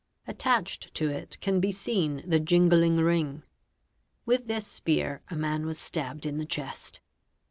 Attached to it can be seen the jingling ring. With this spear man was stabbed in the chest.